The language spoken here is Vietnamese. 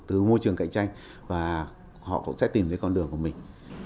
từ môi trường cạnh tranh và họ cũng sẽ tìm thấy con đường của mình